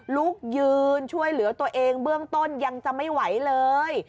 ลูกยืนช่วยเหลือตัวเองเบื้องต้นยังจะไม่ไหวเลย